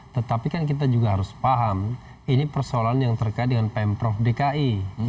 tetapi kan kita juga harus paham ini persoalan yang terkait dengan pemprov dki